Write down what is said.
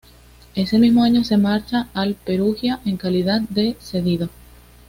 Ese mismo año se marcha al Perugia en calidad de cedido.